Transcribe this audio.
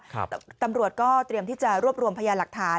ตำรวจก็เตรียมที่จะรวบรวมพยานหลักฐาน